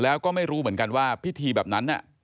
แล้วก็ไม่รู้เหมือนกันว่าพิธีแบบนั้น